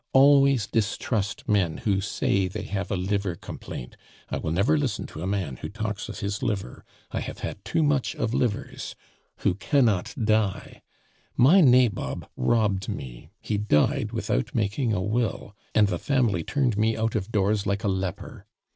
Always distrust men who say they have a liver complaint. I will never listen to a man who talks of his liver. I have had too much of livers who cannot die. My nabob robbed me; he died without making a will, and the family turned me out of doors like a leper.